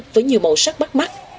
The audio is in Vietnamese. với nhiều màu sắc bắt mắt